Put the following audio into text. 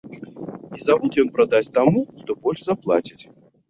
І завод ён прадасць таму, хто больш заплаціць.